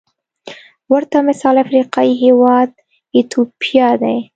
ورته مثال افریقايي هېواد ایتوپیا دی.